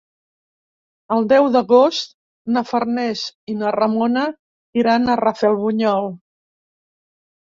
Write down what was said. El deu d'agost na Farners i na Ramona iran a Rafelbunyol.